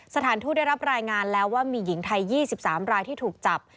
สถานทูตได้รับรายงานแล้วว่ามีหญิงไทย๒๓รายที่ถูกจับ